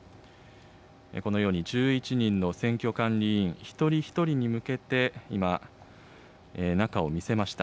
このように１１人の選挙管理委員一人一人に向けて、今、中を見せました。